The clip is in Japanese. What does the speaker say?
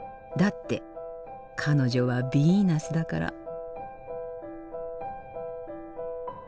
だって彼女はヴィーナスだから。